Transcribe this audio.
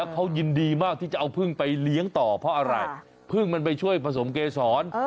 เขายินดีมากที่จะเอาพึ่งไปเลี้ยงต่อเพราะอะไรพึ่งมันไปช่วยผสมเกษร